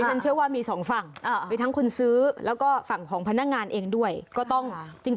ผมก็ไม่ได้สังเกตเข้าไป